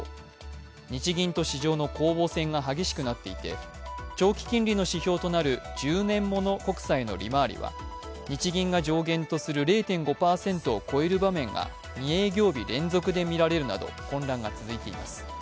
日銀と市場の攻防戦が激しくなっていて、長期金利の指標となる１０年物国債の利回りは日銀が上限とする０．５％を超える場面が２営業日連続で見られるなど混乱が続いています。